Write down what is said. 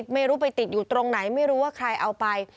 ไม่รู้ไปติดอยู่ตรงไหนไม่รู้ว่าใครเอาไป